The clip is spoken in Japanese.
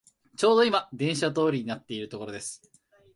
ちょうどいま電車通りになっているところです